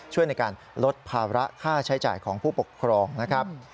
ช่วยในการลดภาระค่าใช้จ่ายของผู้ปกครองนะครับ